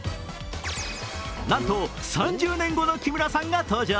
なんと、３０年後の木村さんが登場。